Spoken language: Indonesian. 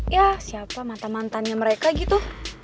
ya siapa mantan mantannya mereka gitu